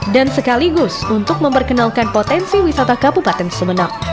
dan sekaligus untuk memperkenalkan potensi wisata kabupaten sumeneb